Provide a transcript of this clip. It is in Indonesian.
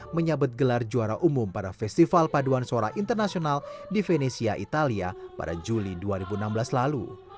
menyabet gelar juara umum pada festival paduan suara internasional di venesia italia pada juli dua ribu enam belas lalu